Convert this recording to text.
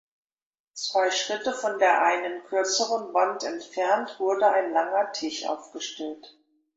Zwei Schritte von der einen kürzeren Wand entfernt wurde ein langer Tisch aufgestellt.